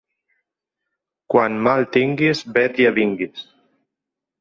Quan mal tinguis bé t'hi avinguis.